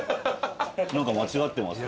何か間違ってますか？